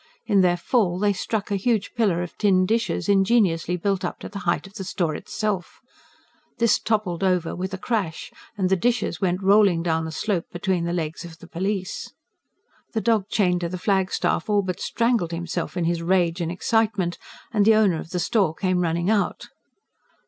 In their fall they struck a huge pillar of tin dishes, ingeniously built up to the height of the store itself. This toppled over with a crash, and the dishes went rolling down the slope between the legs of the police. The dog chained to the flagstaff all but strangled himself in his rage and excitement; and the owner of the store came running out.